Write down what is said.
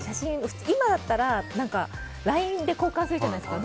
今だったらＬＩＮＥで交換するじゃないですか。